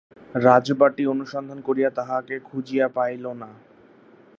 রাজবাটী অনুসন্ধান করিয়া তাঁহাকে খুঁজিয়া পাইল না।